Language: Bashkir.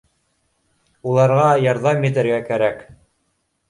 Уларға ярҙам итергә кәрәк